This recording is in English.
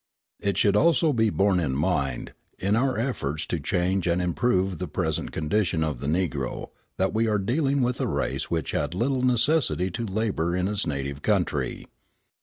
It should also be borne in mind, in our efforts to change and improve the present condition of the Negro, that we are dealing with a race which had little necessity to labour in its native country.